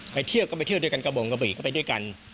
ไปเที่ยวก็ไปเที่ยวกันกระบงกับบีกก็ไปเที่ยวกัน